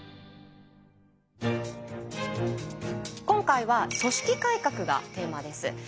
今回は「組織改革」がテーマです。